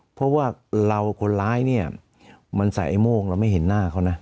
เพราะว่าเราคนร้ายเนี่ยมันใส่ไอ้โม่งเราไม่เห็นหน้าเขานะ